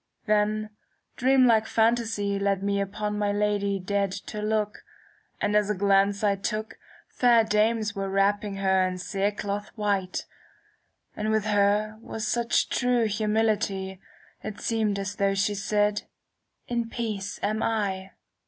Then dream like phantasy ^ Led me upon my lady dead to look, And as a glance I took, Fair dames were wrapping her in cere cloth white ; And with her was such true humility, It seemed as though she said, ' In peace am I.'